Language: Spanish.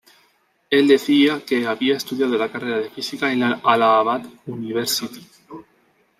Él decía que había estudiado la carrera de física en la Allahabad University.